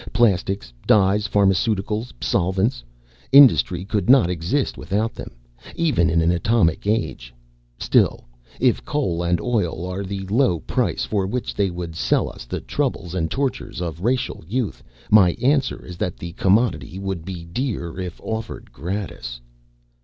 Plastics, dyes, pharmaceuticals, solvents. Industry could not exist without them, even in an atomic age. Still, if coal and oil are the low price for which they would sell us the troubles and tortures of racial youth, my answer is that the commodity would be dear if offered gratis."